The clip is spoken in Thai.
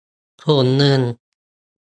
ถุงเงิน